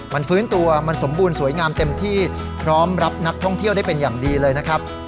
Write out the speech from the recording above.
มันฟื้นตัวมันสมบูรณ์สวยงามเต็มที่พร้อมรับนักท่องเที่ยวได้เป็นอย่างดีเลยนะครับ